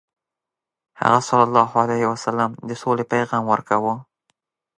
هغه ﷺ د سولې پیغام ورکاوه.